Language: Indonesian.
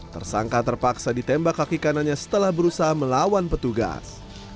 tersangka terpaksa ditembak kaki kanannya setelah berusaha melawan petugas